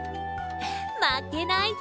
まけないぞ！